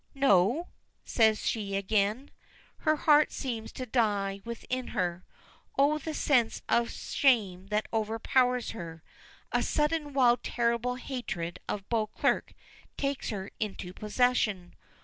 "No," says she again. Her heart seems to die within her. Oh, the sense of shame that overpowers her. A sudden wild, terrible hatred of Beauclerk takes her into possession.